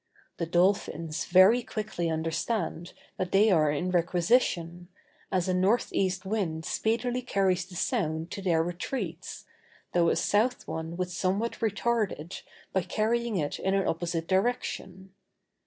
The dolphins very quickly understand that they are in requisition, as a north east wind speedily carries the sound to their retreats, though a south one would somewhat retard it by carrying it in an opposite direction.